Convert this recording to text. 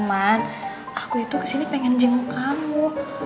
teman aku itu kesini pengen jenguk kamu